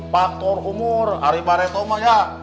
faktor umur hari parethoma ya